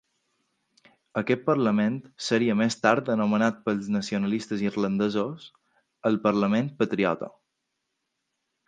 Aquest parlament seria més tard anomenat pels nacionalistes irlandesos el Parlament Patriota.